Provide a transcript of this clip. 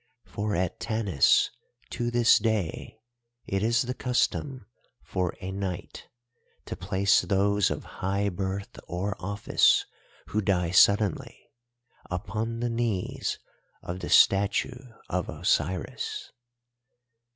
For at Tanis to this day it is the custom for a night to place those of high birth or office who die suddenly upon the knees of the statue of Osiris.